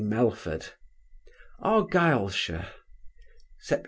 MELFORD ARGYLSHIRE, Sept.